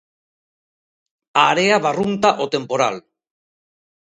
A area barrunta o temporal.